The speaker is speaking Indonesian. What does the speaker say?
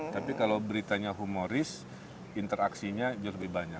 tapi kalau beritanya humoris interaksinya lebih banyak